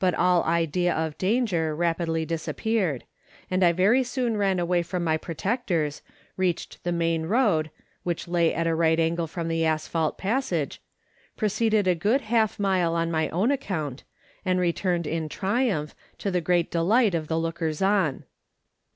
all idea of danger rapidly disappeared, and I very soon ran away from my protectors, reached the main road, 'which lay at a right angle from the asphalt passage, proceeded a good half mile on my own account, and returned in triumph, to the great delight of the lookers on.